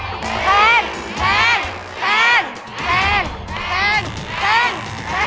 แพง